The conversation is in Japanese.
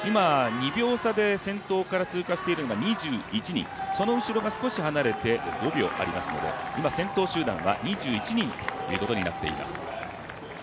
２秒差で先頭から通過しているのが２１人、その後ろが少し離れて５秒ありますので今、先頭集団は２１人ということになっています。